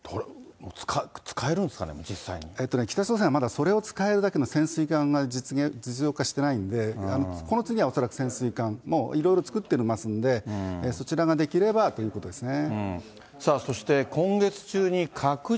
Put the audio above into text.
使えるんですかね、えっとね、北朝鮮はまだそれを使えるだけの潜水艦が実用化してないんで、この次は恐らく潜水艦、いろいろ作っていますんで、そちらが出来ればということですね。